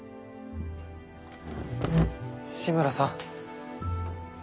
紫村さん。